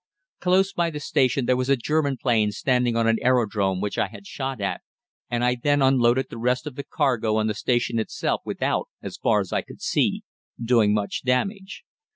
Close by the station there was a German plane standing on an aerodrome which I had a shot at, and I then unloaded the rest of the cargo on the station itself without, as far as I could see, doing much damage.